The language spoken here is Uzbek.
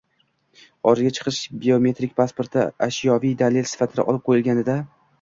xorijga chiqish biometrik pasporti ashyoviy dalil sifatida olib qo‘yilganida.